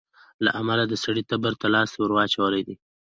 له امله د سړي تبر ته لاستى وراچولى دى.